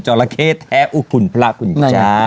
จอหละเข้แท้อุขุนพระคุณเจ้า